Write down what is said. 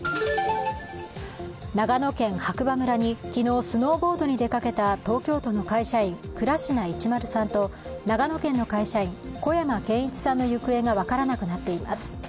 長野県白馬村に昨日、スノーボードに出かけた東京都の会社員、倉科一丸さんと長野県の会社員、小山賢一さんの行方が分からなくなっています。